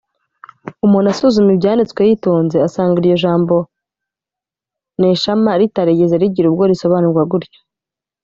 umuntu asuzumye Ibyanditswe yitonze asanga iryo jambo nesha mah ritarigeze rigira ubwo risobanurwa gutyo